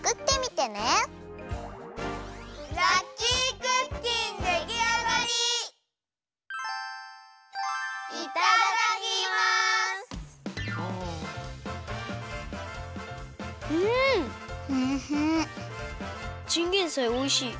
チンゲンサイおいしい。